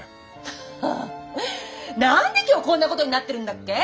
ハハッなんで今日こんなことになってるんだっけ？